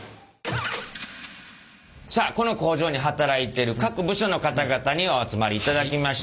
さあこの工場に働いている各部署の方々にお集まりいただきました。